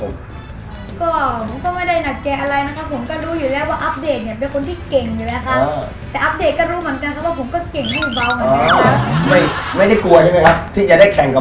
ก็ผมก็ไม่ได้หนักใจอะไรนะครับ